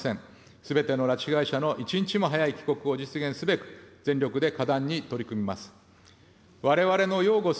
すべての拉致被害者の一日も早い帰国を実現すべく、全力で果断に取り組みます。